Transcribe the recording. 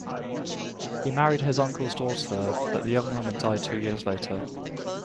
He married his uncle's daughter, but the young woman died two years later.